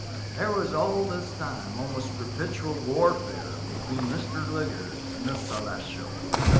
There was at this time almost perpetual warfare between Mr. Liggers and the Celes tial.